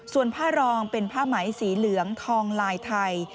ส่วนผ้ารองเป็นผ้าไหมสีเหลืองทองลายไทย